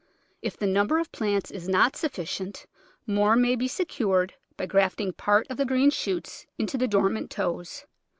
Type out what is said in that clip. If the number of plants is not sufficient more may be secured by graft ing part of the green shoots into the dormant toes.